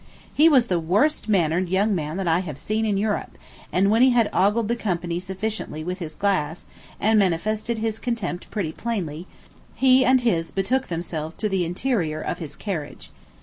He was the worst mannered young man that I have seen in Europe; and when he had ogled the company sufficiently with his glass, and manifested his contempt pretty plainly, he and his betook themselves to the interior of his carriage.